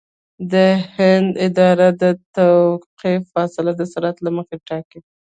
د هند اداره د توقف فاصله د سرعت له مخې ټاکي